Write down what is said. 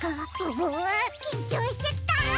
ううきんちょうしてきた。